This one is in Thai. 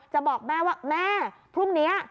บอกแม่ว่าแม่พรุ่งนี้